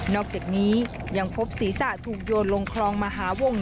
อกจากนี้ยังพบศีรษะถูกโยนลงคลองมหาวง